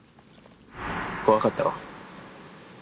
怖かったろ？